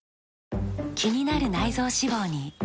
気になる内臓脂肪に。